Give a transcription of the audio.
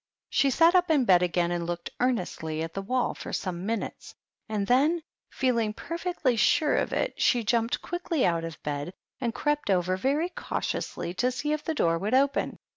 She sat up in bed again and looked earnestly at the wall for some minutes, and then, feeling perfectly sure of it, she jumped quickly out of bed and 22 PEGGY THE PIG. crept over very cautiously to see if the door would open.